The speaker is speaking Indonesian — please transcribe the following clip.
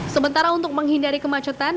sementara untuk menghindari kemacetan